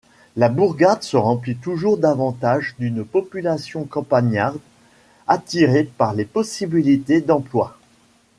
La bourgade se remplit toujours davantage d’une population campagnarde attirée par les possibilités d’emploi.